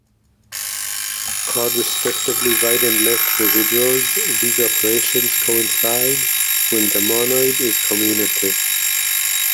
Called respectively right and left residuals, these operations coincide when the monoid is commutative.